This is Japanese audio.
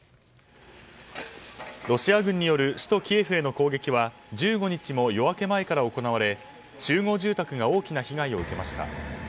ロシア軍による首都キエフへの攻撃は１５日も夜明け前から行われ集合住宅が大きな被害を受けました。